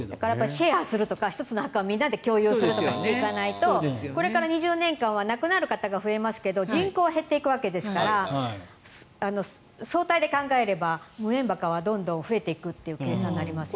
シェアするとか１つの墓をみんなで共有するとかしていかないとこれから２０年は亡くなる方が増えますけど人口は減っていくわけですから相対で考えれば無縁墓はどんどん増えていく計算になりますよね。